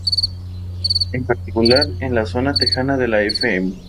En particular, en la zona tejana de la Fm.